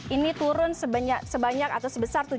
ini turun sebanyak atau sebesar